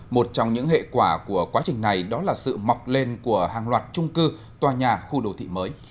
một trong những hệ quả của quá trình này đó là sự mọc lên của hàng loạt trung cư tòa nhà khu đồ thị mới